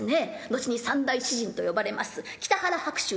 後に三大詩人と呼ばれます北原白秋